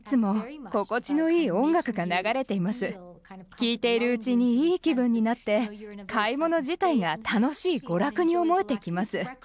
聞いているうちにいい気分になって買い物自体が楽しい娯楽に思えてきます。